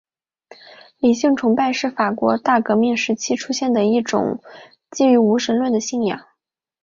理性崇拜是法国大革命时期出现的一种基于无神论的信仰。